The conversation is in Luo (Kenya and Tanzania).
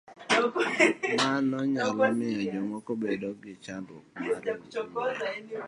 Mano nyalo miyo jomoko obed gi chandruok mar yueyo.